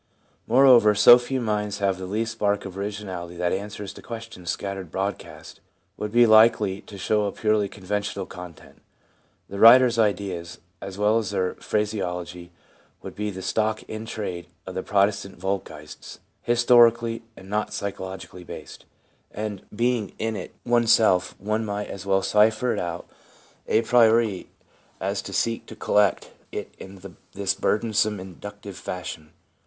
Moreover, so few minds have the least spark of originality that answers to questions scattered broadcast would be likely to show a purely conventional content. The writers' ideas, as well as their phraseology, would be the stock in trade of the Protestant Volksgeist, histori cally and not psychologically based ; and, being in it one's self, one might as well cipher it all out a priori as seek to vii viii PREFACE collect it in this burdensome, inductive fashion.